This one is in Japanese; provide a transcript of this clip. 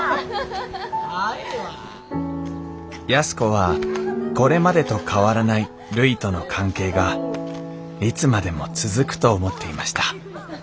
安子はこれまでと変わらないるいとの関係がいつまでも続くと思っていました。